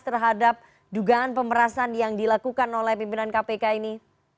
terhadap dugaan pemerasan yang dilakukan oleh pimpinan kpk ini